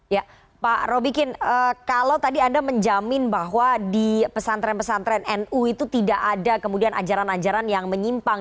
ya pak robikin kalau tadi anda menjamin bahwa di pesantren pesantren nu itu tidak ada kemudian ajaran ajaran yang menyimpang